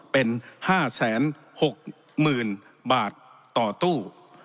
เป็นห้าแสนหกหมื่นบาทต่อตู้